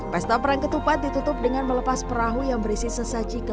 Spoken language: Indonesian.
pesta perang ketupat ditutup dengan melepas perahu yang berisi sesaji ke